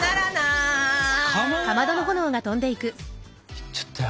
行っちゃったよ。